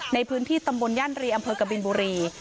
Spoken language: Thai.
ในพื้นที่ตำบลย่านรีอำเภอกบินบุรี